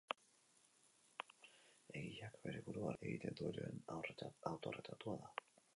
Egileak bere buruaren erretratua egiten duenean, autoerretratua da.